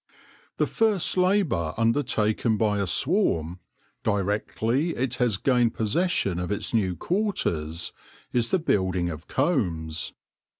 The first labour undertaken by a swarm, directly it has gained possession of its new quarters, is the building of combs.